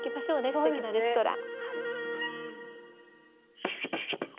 すてきなレストラン。